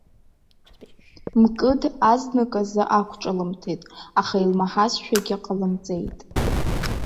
Мкыд азныказы ақәҿылымҭит, аха илмаҳазшәагьы ҟалымҵеит.